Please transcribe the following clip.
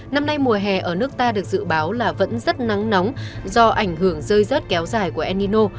năm nay mùa hè ở nước ta được dự báo là vẫn rất nắng nóng do ảnh hưởng rơi rớt kéo dài của enino